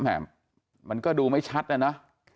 หรือมันก็ดูไม่ชัดนะ